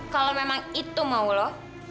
kalo memang itu mau lo